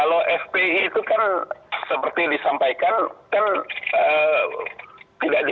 kalau fpi itu kan seperti disampaikan terbanyak persatuan dari tanah air